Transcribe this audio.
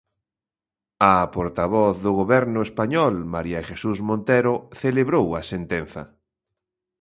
A portavoz do Goberno español, María Jesús Montero, celebrou a sentenza.